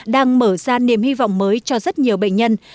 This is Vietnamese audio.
đang mở ra niềm hy vọng mới cho rất nhiều bệnh nhân